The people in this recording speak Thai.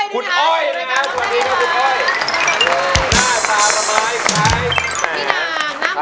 พี่นาง